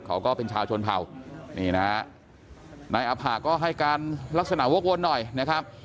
เขาก็เป็นชาวชนเผ่านี่นะฮะนายอภาก็ให้การลักษณะวกวนหน่อยนะครับ